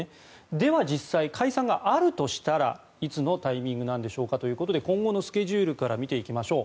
では実際、解散があるとしたらいつのタイミングなんでしょうかということで今後のスケジュールから見ていきましょう。